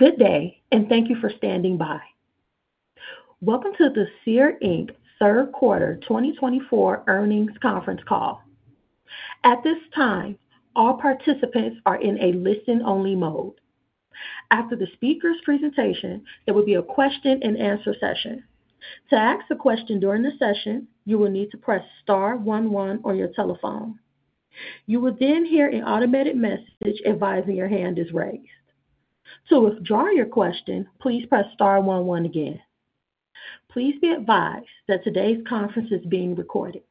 Good day, and thank you for standing by. Welcome to the Seer Inc. Third Quarter 2024 Earnings Conference Call. At this time, all participants are in a listen-only mode. After the speaker's presentation, there will be a question-and-answer session. To ask a question during the session, you will need to press Star 11 on your telephone. You will then hear an automated message advising your hand is raised. To withdraw your question, please press Star 11 again. Please be advised that today's conference is being recorded.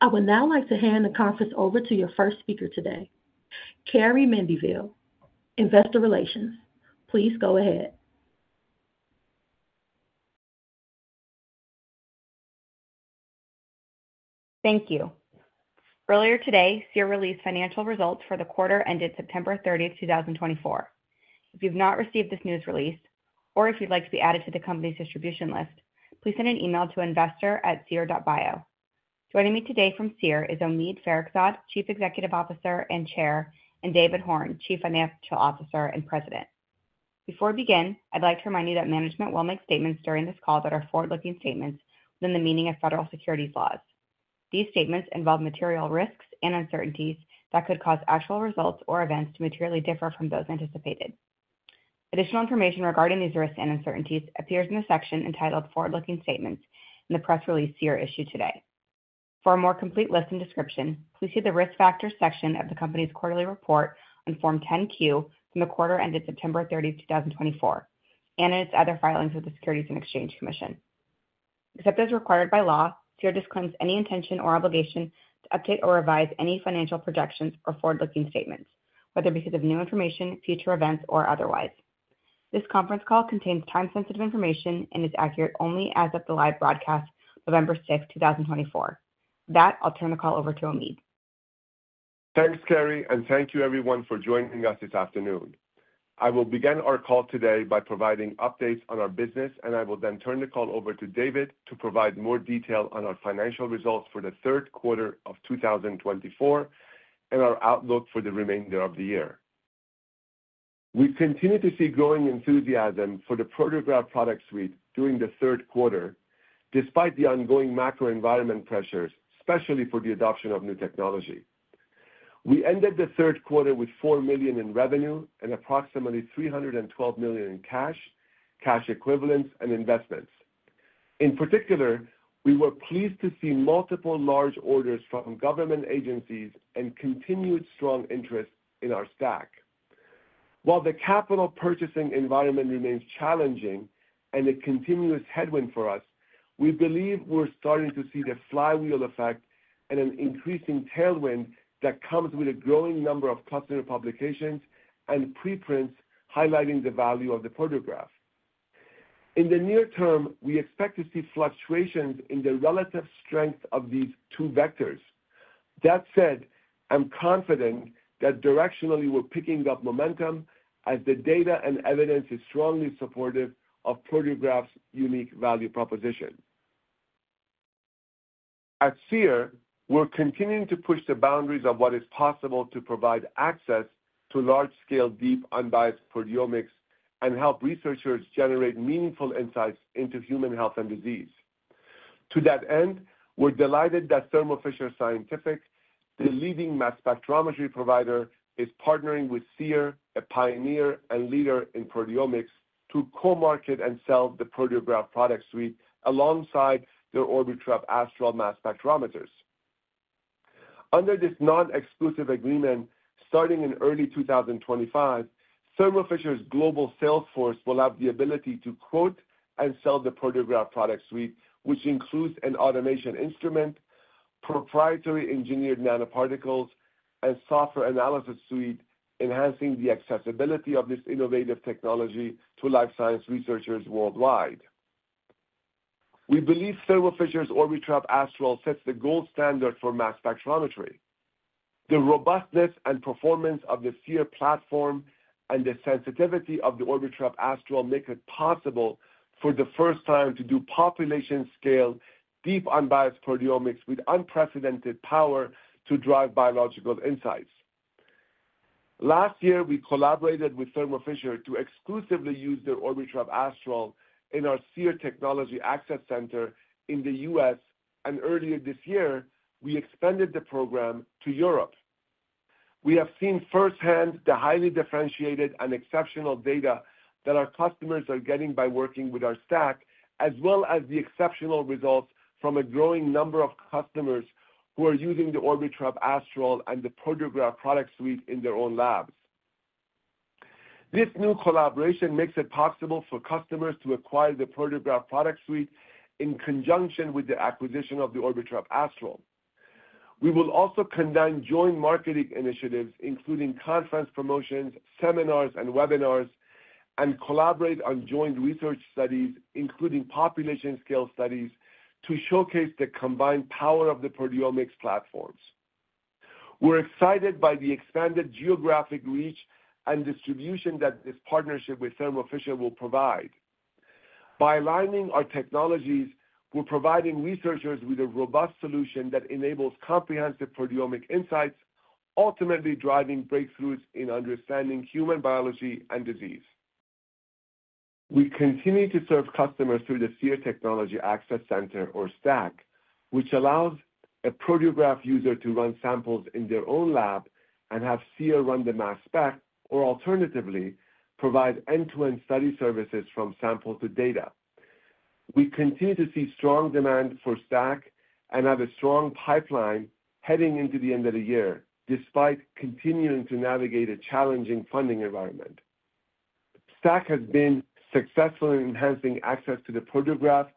I would now like to hand the conference over to your first speaker today, Carrie Mendivil, Investor Relations. Please go ahead. Thank you. Earlier today, Seer released financial results for the quarter ended September 30, 2024. If you've not received this news release, or if you'd like to be added to the company's distribution list, please send an email to investor@seer.bio. Joining me today from Seer is Omid Farokhzad, Chief Executive Officer and Chair, and David Horn, Chief Financial Officer and President. Before we begin, I'd like to remind you that management will make statements during this call that are forward-looking statements within the meaning of federal securities laws. These statements involve material risks and uncertainties that could cause actual results or events to materially differ from those anticipated. Additional information regarding these risks and uncertainties appears in the section entitled Forward-Looking Statements in the press release Seer issued today. For a more complete list and description, please see the risk factors section of the company's quarterly report on Form 10-Q from the quarter ended September 30, 2024, and in its other filings with the Securities and Exchange Commission. Except as required by law, Seer disclaims any intention or obligation to update or revise any financial projections or forward-looking statements, whether because of new information, future events, or otherwise. This conference call contains time-sensitive information and is accurate only as of the live broadcast November 6, 2024. With that, I'll turn the call over to Omid. Thanks, Carrie, and thank you, everyone, for joining us this afternoon. I will begin our call today by providing updates on our business, and I will then turn the call over to David to provide more detail on our financial results for the third quarter of 2024 and our outlook for the remainder of the year. We continue to see growing enthusiasm for the Proteograph Product Suite during the third quarter, despite the ongoing macro-environment pressures, especially for the adoption of new technology. We ended the third quarter with $4 million in revenue and approximately $312 million in cash, cash equivalents, and investments. In particular, we were pleased to see multiple large orders from government agencies and continued strong interest in our STAC. While the capital purchasing environment remains challenging and a continuous headwind for us, we believe we're starting to see the flywheel effect and an increasing tailwind that comes with a growing number of customer publications and preprints highlighting the value of the Proteograph. In the near term, we expect to see fluctuations in the relative strength of these two vectors. That said, I'm confident that directionally we're picking up momentum as the data and evidence is strongly supportive of Proteograph's unique value proposition. At Seer, we're continuing to push the boundaries of what is possible to provide access to large-scale, deep, unbiased proteomics and help researchers generate meaningful insights into human health and disease. To that end, we're delighted that Thermo Fisher Scientific, the leading mass spectrometry provider, is partnering with Seer, a pioneer and leader in proteomics, to co-market and sell the Proteograph Product Suite alongside their Orbitrap Astral mass spectrometers. Under this non-exclusive agreement starting in early 2025, Thermo Fisher's global sales force will have the ability to quote and sell the Proteograph Product Suite, which includes an automation instrument, proprietary engineered nanoparticles, and software analysis suite, enhancing the accessibility of this innovative technology to life science researchers worldwide. We believe Thermo Fisher's Orbitrap Astral sets the gold standard for mass spectrometry. The robustness and performance of the Seer platform and the sensitivity of the Orbitrap Astral make it possible for the first time to do population-scale, deep, unbiased proteomics with unprecedented power to drive biological insights. Last year, we collaborated with Thermo Fisher to exclusively use their Orbitrap Astral in our Seer Technology Access Center in the U.S., and earlier this year, we expanded the program to Europe. We have seen firsthand the highly differentiated and exceptional data that our customers are getting by working with our stack, as well as the exceptional results from a growing number of customers who are using the Orbitrap Astral and the Proteograph Product Suite in their own labs. This new collaboration makes it possible for customers to acquire the Proteograph Product Suite in conjunction with the acquisition of the Orbitrap Astral. We will also conduct joint marketing initiatives, including conference promotions, seminars and webinars, and collaborate on joint research studies, including population-scale studies, to showcase the combined power of the proteomics platforms. We're excited by the expanded geographic reach and distribution that this partnership with Thermo Fisher will provide. By aligning our technologies, we're providing researchers with a robust solution that enables comprehensive proteomic insights, ultimately driving breakthroughs in understanding human biology and disease. We continue to serve customers through the Seer Technology Access Center, or STAC, which allows a Proteograph user to run samples in their own lab and have Seer run the mass spec, or alternatively, provide end-to-end study services from sample to data. We continue to see strong demand for STAC and have a strong pipeline heading into the end of the year, despite continuing to navigate a challenging funding environment. STAC has been successful in enhancing access to the Proteograph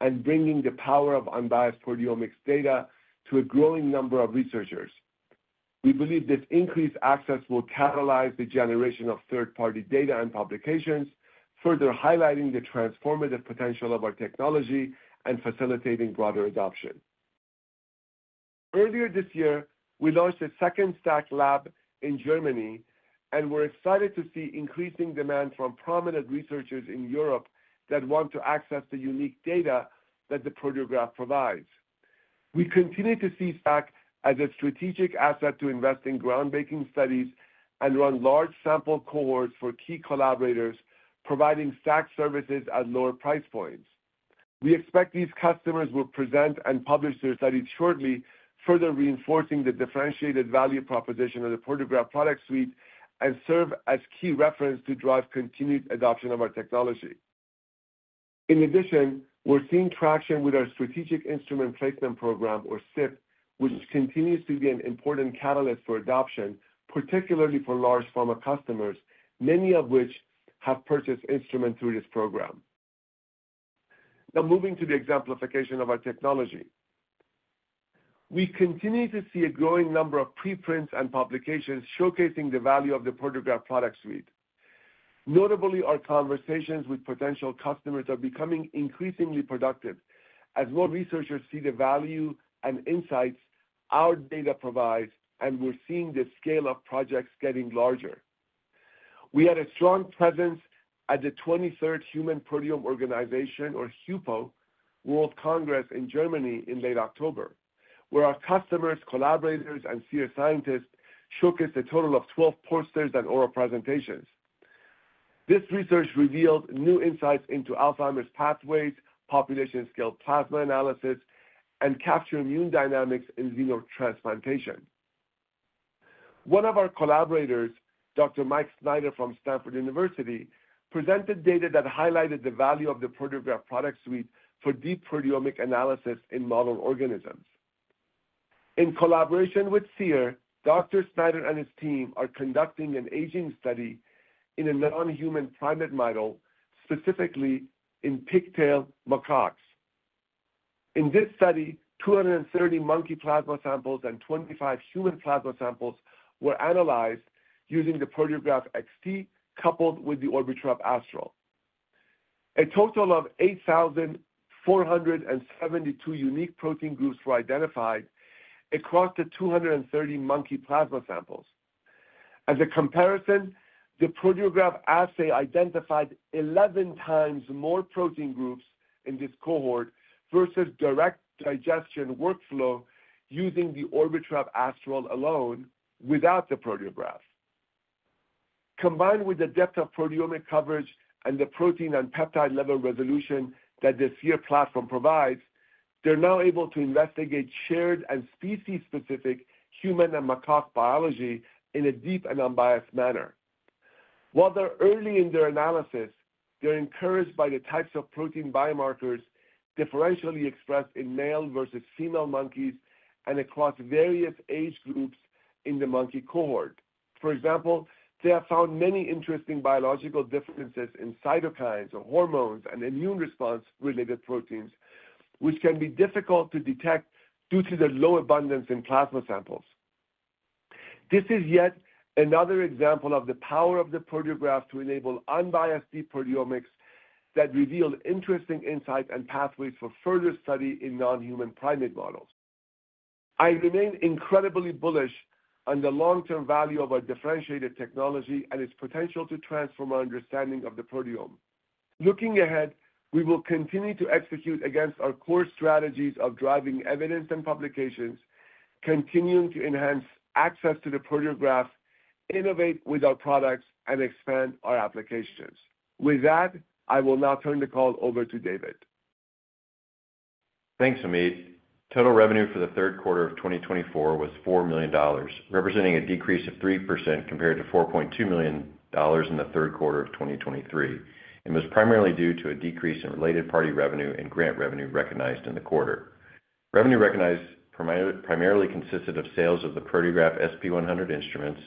and bringing the power of unbiased proteomics data to a growing number of researchers. We believe this increased access will catalyze the generation of third-party data and publications, further highlighting the transformative potential of our technology and facilitating broader adoption. Earlier this year, we launched a second STAC lab in Germany, and we're excited to see increasing demand from prominent researchers in Europe that want to access the unique data that the Proteograph provides. We continue to see STAC as a strategic asset to invest in groundbreaking studies and run large sample cohorts for key collaborators, providing STAC services at lower price points. We expect these customers will present and publish their studies shortly, further reinforcing the differentiated value proposition of the Proteograph Product Suite and serve as key reference to drive continued adoption of our technology. In addition, we're seeing traction with our Strategic Instrument Placement Program, or SIPP, which continues to be an important catalyst for adoption, particularly for large pharma customers, many of which have purchased instruments through this program. Now, moving to the exemplification of our technology. We continue to see a growing number of preprints and publications showcasing the value of the Proteograph Product Suite. Notably, our conversations with potential customers are becoming increasingly productive as more researchers see the value and insights our data provides, and we're seeing the scale of projects getting larger. We had a strong presence at the 23rd Human Proteome Organization, or HUPO, World Congress in Germany in late October, where our customers, collaborators, and Seer scientists showcased a total of 12 posters and oral presentations. This research revealed new insights into Alzheimer's pathways, population-scale plasma analysis, and capture immune dynamics in xenotransplantation. One of our collaborators, Dr. Mike Snyder from Stanford University, presented data that highlighted the value of the Proteograph Product Suite for deep proteomic analysis in model organisms. In collaboration with Seer, Dr. Snyder and his team are conducting an aging study in a non-human primate model, specifically in Pigtail Macaques. In this study, 230 monkey plasma samples and 25 human plasma samples were analyzed using the Proteograph XT coupled with the Orbitrap Astral. A total of 8,472 unique protein groups were identified across the 230 monkey plasma samples. As a comparison, the Proteograph assay identified 11 times more protein groups in this cohort versus direct digestion workflow using the Orbitrap Astral alone without the Proteograph. Combined with the depth of proteomic coverage and the protein and peptide level resolution that the Seer platform provides, they're now able to investigate shared and species-specific human and macaque biology in a deep and unbiased manner. While they're early in their analysis, they're encouraged by the types of protein biomarkers differentially expressed in male versus female monkeys and across various age groups in the monkey cohort. For example, they have found many interesting biological differences in cytokines, hormones, and immune response-related proteins, which can be difficult to detect due to the low abundance in plasma samples. This is yet another example of the power of the Proteograph to enable unbiased deep proteomics that revealed interesting insights and pathways for further study in non-human primate models. I remain incredibly bullish on the long-term value of our differentiated technology and its potential to transform our understanding of the proteome. Looking ahead, we will continue to execute against our core strategies of driving evidence and publications, continue to enhance access to the Proteograph, innovate with our products, and expand our applications. With that, I will now turn the call over to David. Thanks, Omid. Total revenue for the third quarter of 2024 was $4 million, representing a decrease of 3% compared to $4.2 million in the third quarter of 2023, and was primarily due to a decrease in related party revenue and grant revenue recognized in the quarter. Revenue recognized primarily consisted of sales of the Proteograph SP100 instruments,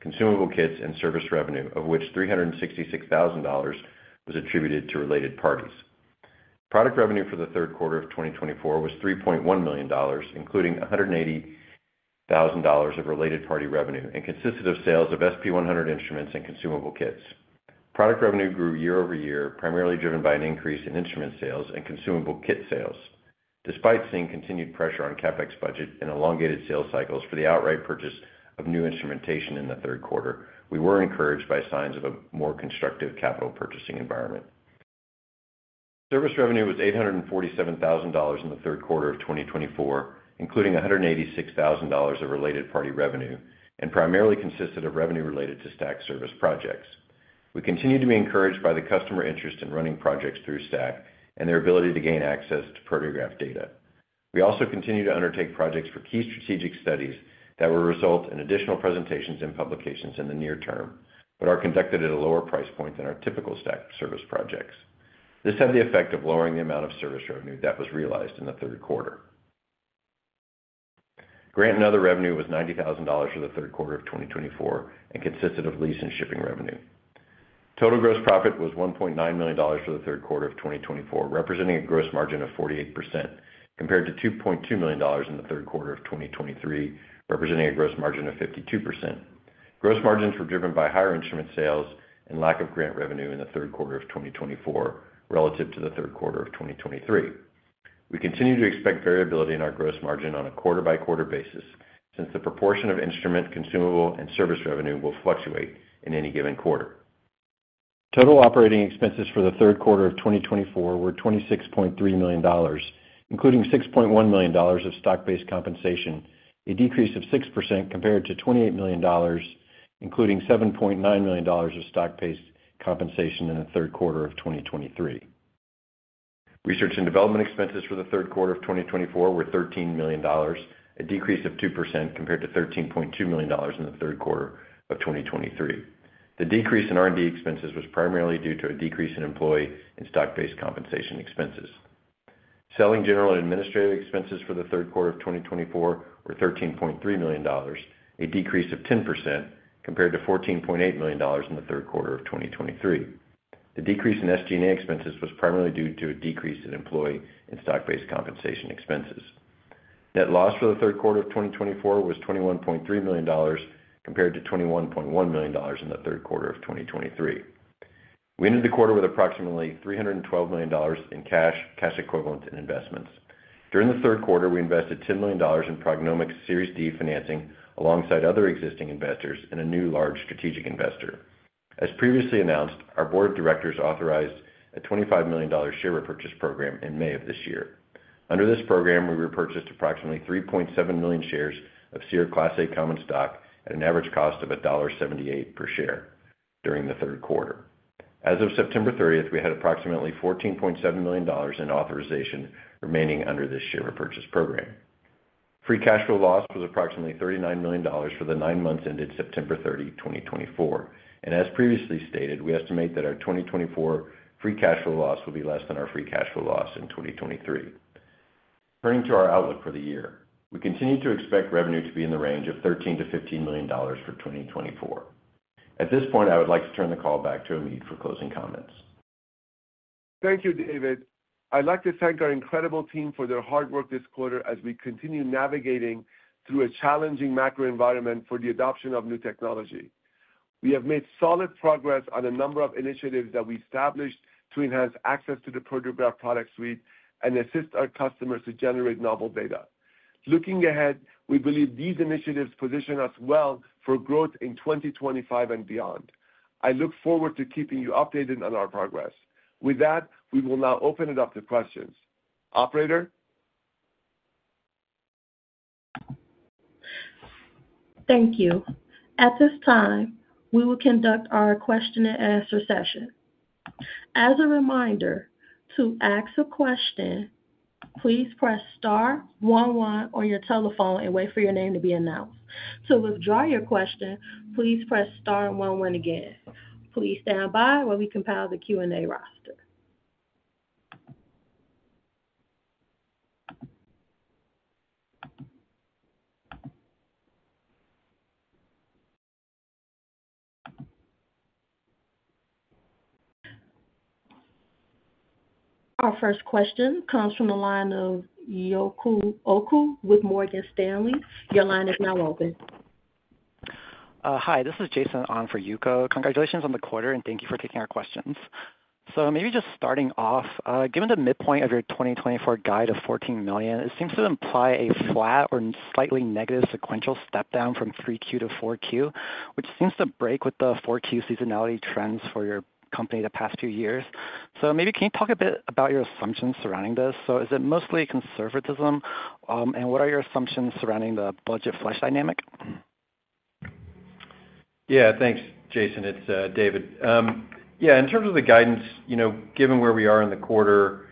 consumable kits, and service revenue, of which $366,000 was attributed to related parties. Product revenue for the third quarter of 2024 was $3.1 million, including $180,000 of related party revenue, and consisted of sales of SP100 instruments and consumable kits. Product revenue grew year over year, primarily driven by an increase in instrument sales and consumable kit sales. Despite seeing continued pressure on CapEx budget and elongated sales cycles for the outright purchase of new instrumentation in the third quarter, we were encouraged by signs of a more constructive capital purchasing environment. Service revenue was $847,000 in the third quarter of 2024, including $186,000 of related party revenue, and primarily consisted of revenue related to STAC service projects. We continue to be encouraged by the customer interest in running projects through STAC and their ability to gain access to Proteograph data. We also continue to undertake projects for key strategic studies that will result in additional presentations and publications in the near term, but are conducted at a lower price point than our typical STAC service projects. This had the effect of lowering the amount of service revenue that was realized in the third quarter. Grant and other revenue was $90,000 for the third quarter of 2024 and consisted of lease and shipping revenue. Total gross profit was $1.9 million for the third quarter of 2024, representing a gross margin of 48%, compared to $2.2 million in the third quarter of 2023, representing a gross margin of 52%. Gross margins were driven by higher instrument sales and lack of grant revenue in the third quarter of 2024 relative to the third quarter of 2023. We continue to expect variability in our gross margin on a quarter-by-quarter basis since the proportion of instrument, consumable, and service revenue will fluctuate in any given quarter. Total operating expenses for the third quarter of 2024 were $26.3 million, including $6.1 million of stock-based compensation, a decrease of 6% compared to $28 million, including $7.9 million of stock-based compensation in the third quarter of 2023. Research and development expenses for the third quarter of 2024 were $13 million, a decrease of 2% compared to $13.2 million in the third quarter of 2023. The decrease in R&D expenses was primarily due to a decrease in employee and stock-based compensation expenses. Selling general and administrative expenses for the third quarter of 2024 were $13.3 million, a decrease of 10% compared to $14.8 million in the third quarter of 2023. The decrease in SG&A expenses was primarily due to a decrease in employee and stock-based compensation expenses. Net loss for the third quarter of 2024 was $21.3 million compared to $21.1 million in the third quarter of 2023. We ended the quarter with approximately $312 million in cash, cash equivalent, and investments. During the third quarter, we invested $10 million in PrognomiQ Series D financing alongside other existing investors and a new large strategic investor. As previously announced, our board of directors authorized a $25 million share repurchase program in May of this year. Under this program, we repurchased approximately 3.7 million shares of Seer Class A Common Stock at an average cost of $1.78 per share during the third quarter. As of September 30th, we had approximately $14.7 million in authorization remaining under this share repurchase program. Free cash flow loss was approximately $39 million for the nine months ended September 30, 2024. As previously stated, we estimate that our 2024 free cash flow loss will be less than our free cash flow loss in 2023. Turning to our outlook for the year, we continue to expect revenue to be in the range of $13-$15 million for 2024. At this point, I would like to turn the call back to Omid for closing comments. Thank you, David. I'd like to thank our incredible team for their hard work this quarter as we continue navigating through a challenging macro environment for the adoption of new technology. We have made solid progress on a number of initiatives that we established to enhance access to the Proteograph Product Suite and assist our customers to generate novel data. Looking ahead, we believe these initiatives position us well for growth in 2025 and beyond. I look forward to keeping you updated on our progress. With that, we will now open it up to questions. Operator. Thank you. At this time, we will conduct our question-and-answer session. As a reminder, to ask a question, please press Star 11 on your telephone and wait for your name to be announced. To withdraw your question, please press Star 11 again. Please stand by while we compile the Q&A roster. Our first question comes from the line of Yuko Oku with Morgan Stanley. Your line is now open. Hi, this is Jaehoon Ahn for Yuko Oku. Congratulations on the quarter, and thank you for taking our questions. So maybe just starting off, given the midpoint of your 2024 guide of $14 million, it seems to imply a flat or slightly negative sequential step down from 3Q to 4Q, which seems to break with the 4Q seasonality trends for your company the past few years. So maybe can you talk a bit about your assumptions surrounding this? So is it mostly conservatism? And what are your assumptions surrounding the budget flush dynamic? Yeah, thanks, Jaehoon. It's David. Yeah, in terms of the guidance, given where we are in the quarter,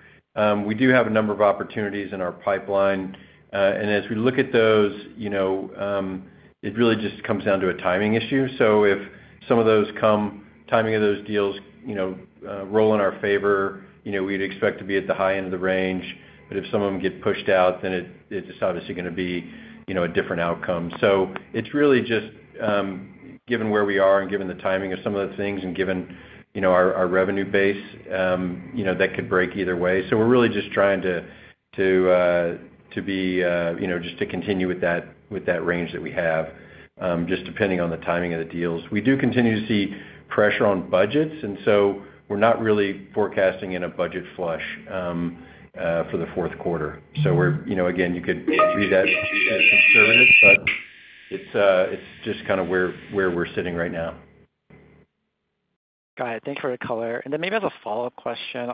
we do have a number of opportunities in our pipeline. And as we look at those, it really just comes down to a timing issue. So if some of those come, timing of those deals roll in our favor, we'd expect to be at the high end of the range. But if some of them get pushed out, then it's obviously going to be a different outcome. So it's really just, given where we are and given the timing of some of the things and given our revenue base, that could break either way. So we're really just trying to just continue with that range that we have, just depending on the timing of the deals. We do continue to see pressure on budgets, and so we're not really forecasting in a budget flush for the fourth quarter, so again, you could view that as conservative, but it's just kind of where we're sitting right now. Got it. Thank you for the color. And then maybe as a follow-up question,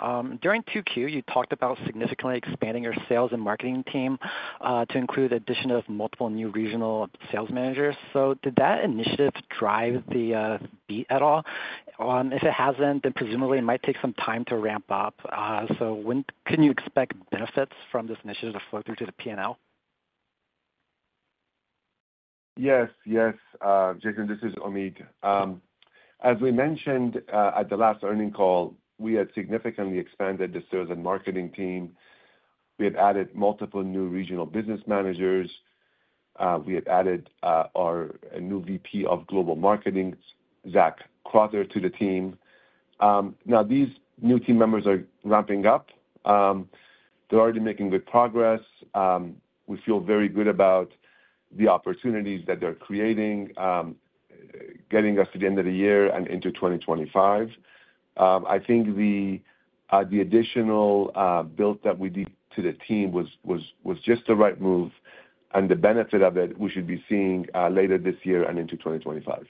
during 2Q, you talked about significantly expanding your sales and marketing team to include the addition of multiple new regional sales managers. So did that initiative drive the beat at all? If it hasn't, then presumably it might take some time to ramp up. So can you expect benefits from this initiative to flow through to the P&L? Yes, yes. Jaehoon, this is Omid. As we mentioned at the last earnings call, we had significantly expanded the sales and marketing team. We had added multiple new regional business managers. We had added our new VP of global marketing, Zack Crowther, to the team. Now, these new team members are ramping up. They're already making good progress. We feel very good about the opportunities that they're creating, getting us to the end of the year and into 2025. I think the additional build that we did to the team was just the right move, and the benefit of it, we should be seeing later this year and into 2025.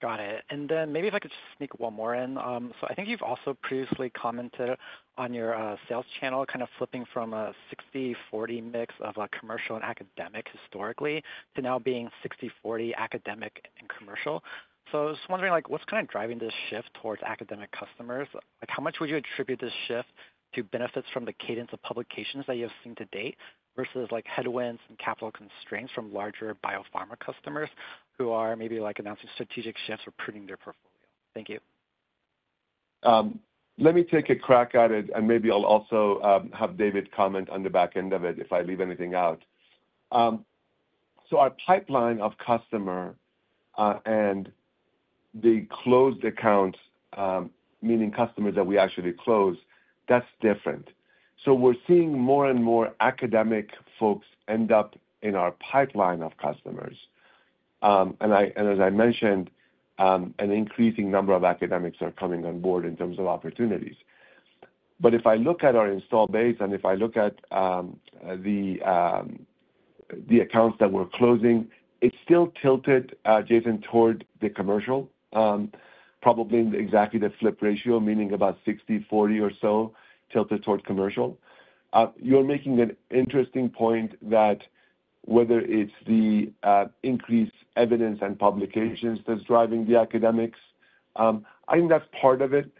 Got it. And then maybe if I could just sneak one more in. So I think you've also previously commented on your sales channel kind of flipping from a 60/40 mix of commercial and academic historically to now being 60/40 academic and commercial. So I was wondering, what's kind of driving this shift towards academic customers? How much would you attribute this shift to benefits from the cadence of publications that you have seen to date versus headwinds and capital constraints from larger biopharma customers who are maybe announcing strategic shifts or pruning their portfolio? Thank you. Let me take a crack at it, and maybe I'll also have David comment on the back end of it if I leave anything out. So our pipeline of customer and the closed accounts, meaning customers that we actually close, that's different. So we're seeing more and more academic folks end up in our pipeline of customers. And as I mentioned, an increasing number of academics are coming on board in terms of opportunities. But if I look at our install base and if I look at the accounts that we're closing, it's still tilted, Jaehoon, toward the commercial, probably in the executive flip ratio, meaning about 60/40 or so tilted toward commercial. You're making an interesting point that whether it's the increased evidence and publications that's driving the academics, I think that's part of it.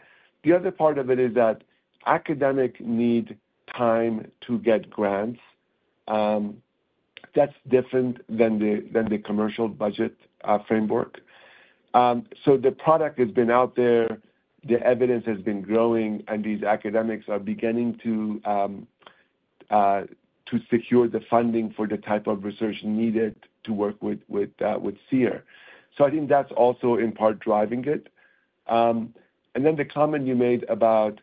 The other part of it is that academics need time to get grants. That's different than the commercial budget framework. So the product has been out there, the evidence has been growing, and these academics are beginning to secure the funding for the type of research needed to work with Seer. So I think that's also in part driving it. And then the comment you made about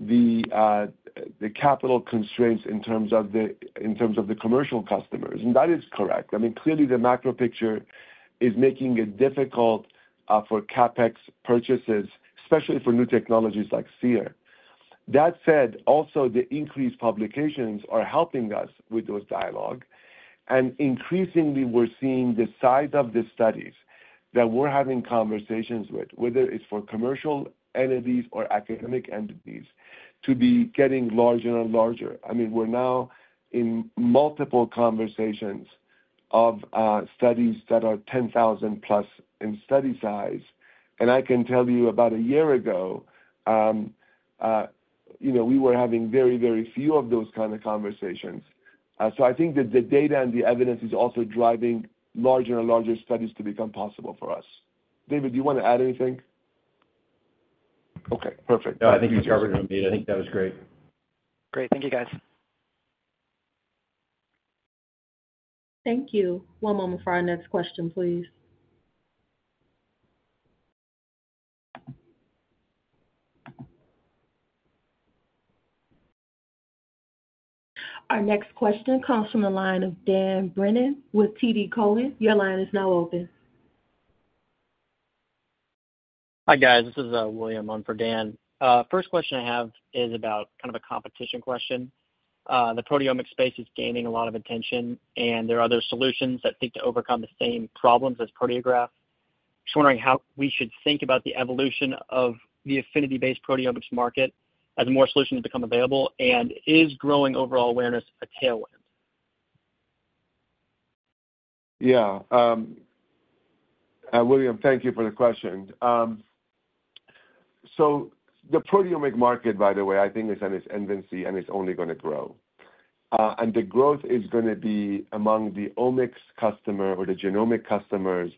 the capital constraints in terms of the commercial customers, and that is correct. I mean, clearly, the macro picture is making it difficult for CapEx purchases, especially for new technologies like Seer. That said, also, the increased publications are helping us with those dialogue. And increasingly, we're seeing the size of the studies that we're having conversations with, whether it's for commercial entities or academic entities, to be getting larger and larger. I mean, we're now in multiple conversations of studies that are 10,000-plus in study size. And I can tell you, about a year ago, we were having very, very few of those kinds of conversations. So I think that the data and the evidence is also driving larger and larger studies to become possible for us. David, do you want to add anything? Okay. Perfect. I think you covered it, Omid. I think that was great. Great. Thank you, guys. Thank you. One moment for our next question, please. Our next question comes from the line of Dan Brennan with TD Cowen. Your line is now open. Hi, guys. This is William on for Dan. First question I have is about kind of a competition question. The proteomic space is gaining a lot of attention, and there are other solutions that seek to overcome the same problems as Proteograph. Just wondering how we should think about the evolution of the affinity-based proteomics market as more solutions become available, and is growing overall awareness a tailwind? Yeah. William, thank you for the question. So the proteomic market, by the way, I think is at its infancy, and it's only going to grow. And the growth is going to be among the omics customer or the genomic customers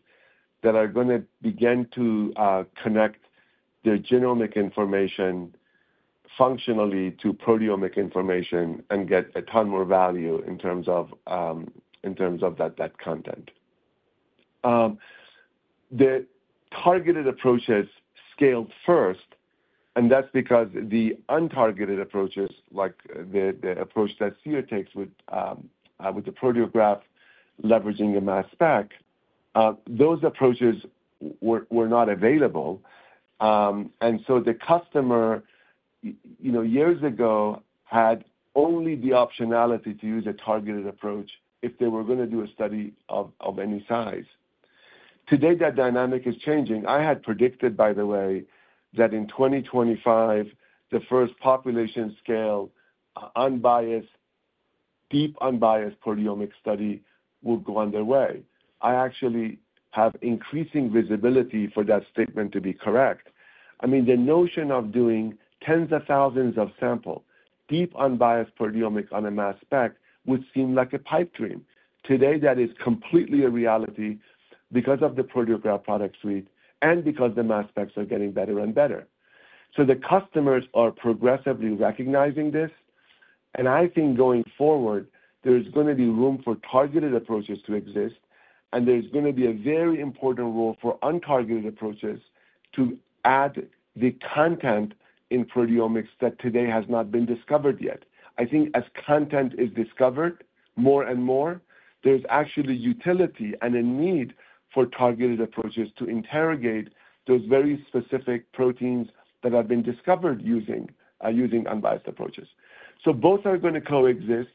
that are going to begin to connect their genomic information functionally to proteomic information and get a ton more value in terms of that content. The targeted approaches scaled first, and that's because the untargeted approaches, like the approach that Seer takes with the Proteograph leveraging a mass spec, those approaches were not available. And so the customer, years ago, had only the optionality to use a targeted approach if they were going to do a study of any size. Today, that dynamic is changing. I had predicted, by the way, that in 2025, the first population-scale, deep unbiased proteomics study would go underway. I actually have increasing visibility for that statement to be correct. I mean, the notion of doing tens of thousands of samples, deep unbiased proteomics on a mass spec would seem like a pipe dream. Today, that is completely a reality because of the Proteograph Product Suite and because the mass specs are getting better and better. So the customers are progressively recognizing this. And I think going forward, there's going to be room for targeted approaches to exist, and there's going to be a very important role for untargeted approaches to add the content in proteomics that today has not been discovered yet. I think as content is discovered more and more, there's actually utility and a need for targeted approaches to interrogate those very specific proteins that have been discovered using unbiased approaches. So both are going to coexist.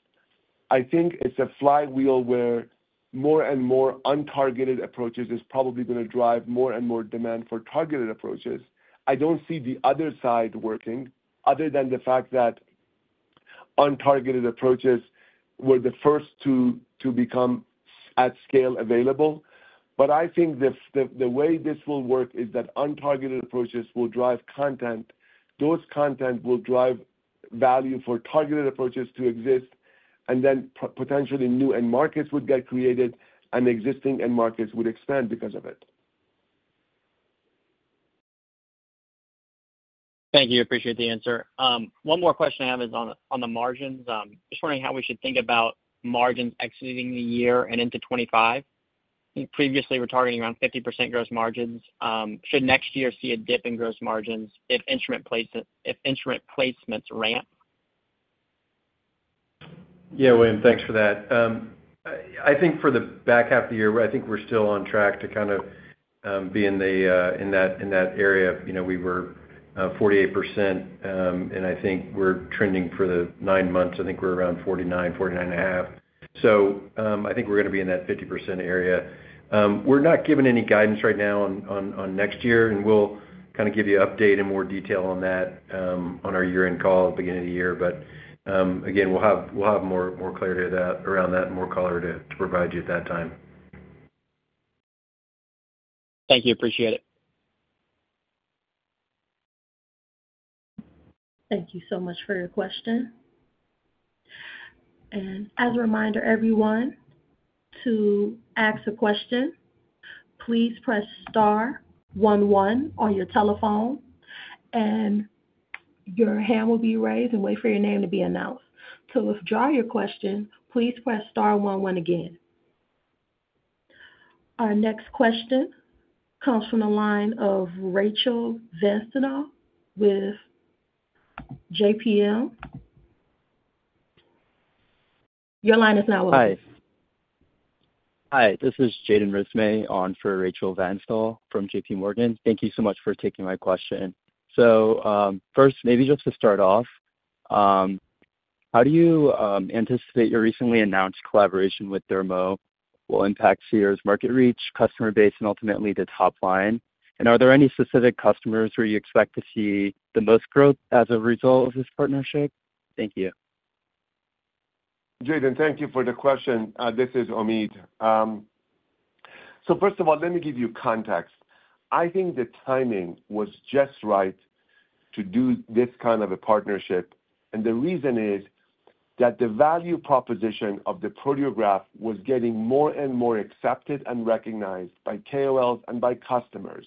I think it's a flywheel where more and more untargeted approaches is probably going to drive more and more demand for targeted approaches. I don't see the other side working other than the fact that untargeted approaches were the first to become at scale available. But I think the way this will work is that untargeted approaches will drive content. Those contents will drive value for targeted approaches to exist, and then potentially new end markets would get created, and existing end markets would expand because of it. Thank you. Appreciate the answer. One more question I have is on the margins. Just wondering how we should think about margins exiting the year and into 2025. Previously, we were targeting around 50% gross margins. Should next year see a dip in gross margins if instrument placements ramp? Yeah, William, thanks for that. I think for the back half of the year, I think we're still on track to kind of be in that area. We were 48%, and I think we're trending for the nine months, I think we're around 49%, 49.5%. So I think we're going to be in that 50% area. We're not given any guidance right now on next year, and we'll kind of give you an update in more detail on that on our year-end call at the beginning of the year. But again, we'll have more clarity around that and more color to provide you at that time. Thank you. Appreciate it. Thank you so much for your question. And as a reminder, everyone, to ask a question, please press Star 11 on your telephone, and your hand will be raised and wait for your name to be announced. To withdraw your question. Please press Star 11 again. Our next question comes from the line of Rachel Vatnsdal with JPM. Your line is now open. Hi. Hi. This is Jaden Rismay on for Rachel Vatnsdal from JPMorgan. Thank you so much for taking my question. So first, maybe just to start off, how do you anticipate your recently announced collaboration with Thermo will impact Seer's market reach, customer base, and ultimately the top line? And are there any specific customers where you expect to see the most growth as a result of this partnership? Thank you. Jaden, thank you for the question. This is Omid. So first of all, let me give you context. I think the timing was just right to do this kind of a partnership. And the reason is that the value proposition of the Proteograph was getting more and more accepted and recognized by KOLs and by customers.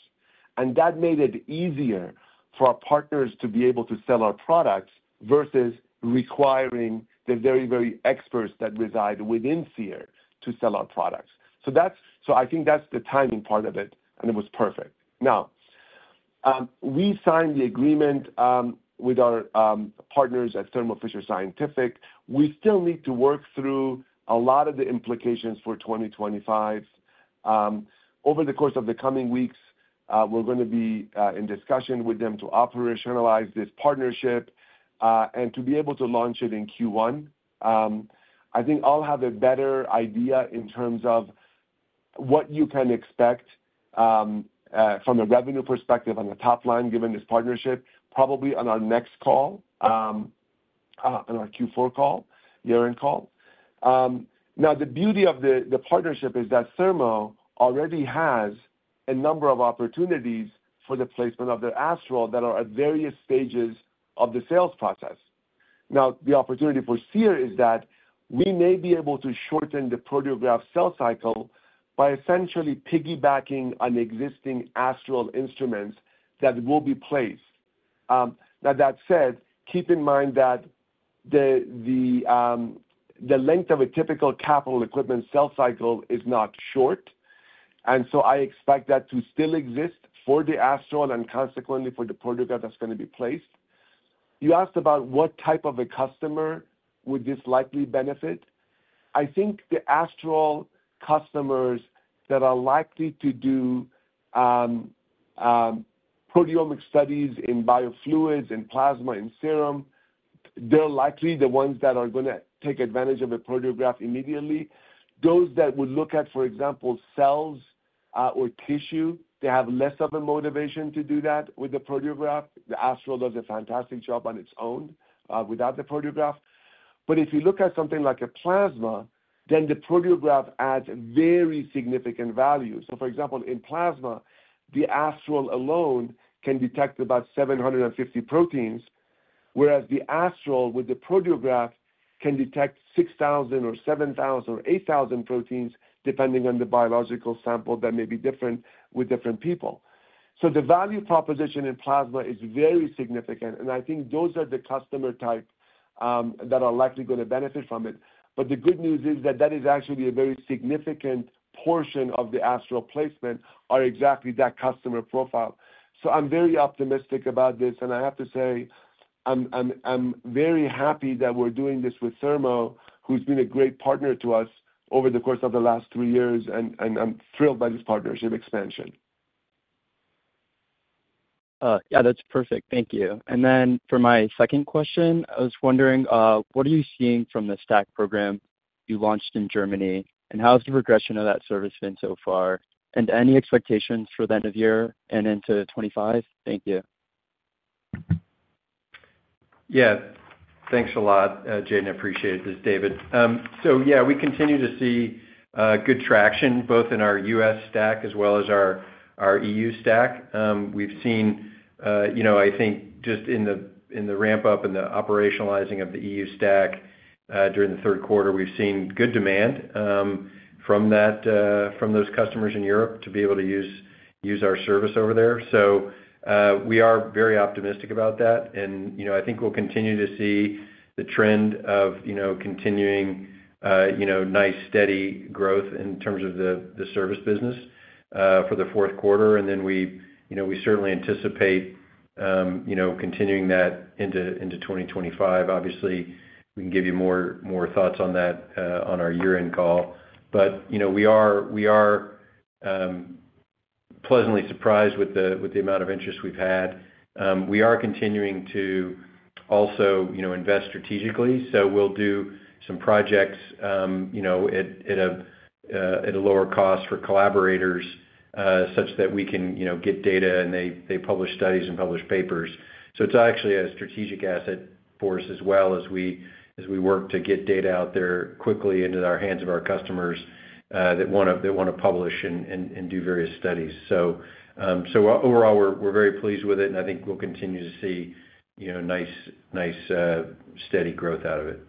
And that made it easier for our partners to be able to sell our products versus requiring the very, very experts that reside within Seer to sell our products. So I think that's the timing part of it, and it was perfect. Now, we signed the agreement with our partners at Thermo Fisher Scientific. We still need to work through a lot of the implications for 2025. Over the course of the coming weeks, we're going to be in discussion with them to operationalize this partnership and to be able to launch it in Q1. I think I'll have a better idea in terms of what you can expect from a revenue perspective on the top line given this partnership, probably on our next call, on our Q4 call, year-end call. Now, the beauty of the partnership is that Thermo already has a number of opportunities for the placement of their Astral that are at various stages of the sales process. Now, the opportunity for Seer is that we may be able to shorten the Proteograph sell cycle by essentially piggybacking on existing Astral instruments that will be placed. Now, that said, keep in mind that the length of a typical capital equipment sell cycle is not short. And so I expect that to still exist for the Astral and consequently for the Proteograph that's going to be placed. You asked about what type of a customer would this likely benefit. I think the Astral customers that are likely to do proteomic studies in biofluids and plasma and serum; they're likely the ones that are going to take advantage of a Proteograph immediately. Those that would look at, for example, cells or tissue, they have less of a motivation to do that with the Proteograph. The Astral does a fantastic job on its own without the Proteograph. But if you look at something like a plasma, then the Proteograph adds very significant value. So, for example, in plasma, the Astral alone can detect about 750 proteins, whereas the Astral with the Proteograph can detect 6,000 or 7,000 or 8,000 proteins depending on the biological sample that may be different with different people. So the value proposition in plasma is very significant. And I think those are the customer types that are likely going to benefit from it. But the good news is that that is actually a very significant portion of the Astral placement are exactly that customer profile. So I'm very optimistic about this. And I have to say, I'm very happy that we're doing this with Thermo, who's been a great partner to us over the course of the last three years, and I'm thrilled by this partnership expansion. Yeah, that's perfect. Thank you. And then for my second question, I was wondering, what are you seeing from the STAC program you launched in Germany? And how has the progression of that service been so far? And any expectations for the end of year and into 2025? Thank you. Yeah. Thanks a lot, Jaden. Appreciate it. This is David. So yeah, we continue to see good traction both in our U.S. STAC as well as our E.U. STAC. We've seen, I think, just in the ramp-up and the operationalizing of the E.U. STAC during the third quarter, we've seen good demand from those customers in Europe to be able to use our service over there. So we are very optimistic about that. And I think we'll continue to see the trend of continuing nice, steady growth in terms of the service business for the fourth quarter. And then we certainly anticipate continuing that into 2025. Obviously, we can give you more thoughts on that on our year-end call. But we are pleasantly surprised with the amount of interest we've had. We are continuing to also invest strategically. So we'll do some projects at a lower cost for collaborators such that we can get data, and they publish studies and publish papers. So it's actually a strategic asset for us as well as we work to get data out there quickly into the hands of our customers that want to publish and do various studies. So overall, we're very pleased with it, and I think we'll continue to see nice, steady growth out of it.